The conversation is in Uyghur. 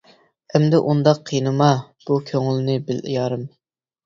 ئەمدى ئۇنداق قىينىما، بۇ كۆڭۈلنى بىل يارىم.